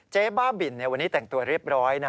บ้าบินวันนี้แต่งตัวเรียบร้อยนะ